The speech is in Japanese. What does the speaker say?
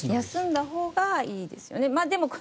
休んだほうがいいですよね。